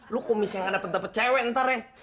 lo kok misalnya nggak dapet dapet cewek ntar ya